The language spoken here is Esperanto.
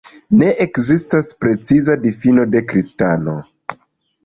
Ne ekzistas preciza difino de kristano.